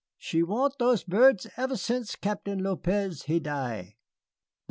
She want those bird ever sence Captain Lopez he die.